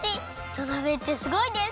土鍋ってすごいです！